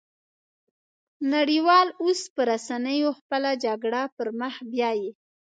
نړۍ وال اوس په رسنيو خپله جګړه پرمخ بيايي